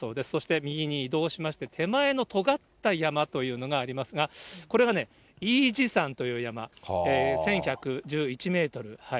そして右に移動しまして、手前のとがった山というのがありますが、これがね、いいじ山という山、１１１１メートル。